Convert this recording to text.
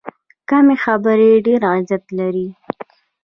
کمې خبرې، ډېر عزت لري.